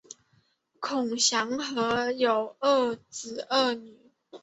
孔祥柯有二子二女